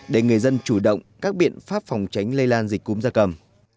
để người dân chủ động các biện pháp phòng tránh lây lan dịch cúm gia cầm